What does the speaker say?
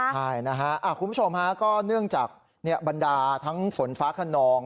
ใช่นะฮะคุณผู้ชมฮะก็เนื่องจากบรรดาทั้งฝนฟ้าขนอง